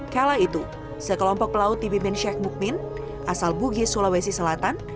kala itu sekelompok pelaut dipimpin sheikh mukmin asal bugis sulawesi selatan